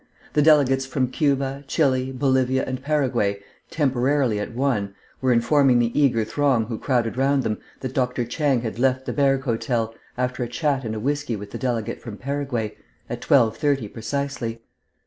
The delegates from Cuba, Chili, Bolivia, and Paraguay, temporarily at one, were informing the eager throng who crowded round them that Dr. Chang had left the Bergues hotel, after a chat and a whisky with the delegate from Paraguay, at twelve thirty precisely.